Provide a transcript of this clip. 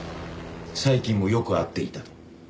最近もよく会っていたと？